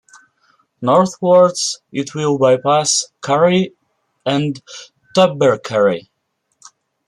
Northwards it will bypass Curry and Tubbercurry.